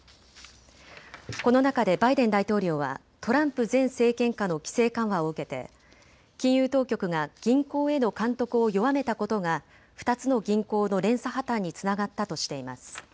この中でバイデン大統領はトランプ前政権下の規制緩和を受けて金融当局が銀行への監督を弱めたことが２つの銀行の連鎖破綻につながったとしています。